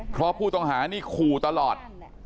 เพราะผู้ต้องหานี่ขู่ตลอด